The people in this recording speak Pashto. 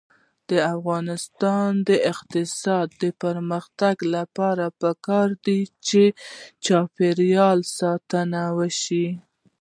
د افغانستان د اقتصادي پرمختګ لپاره پکار ده چې چاپیریال ساتنه وشي.